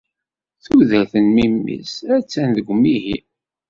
Tudert n memmi-s attan deg umihi.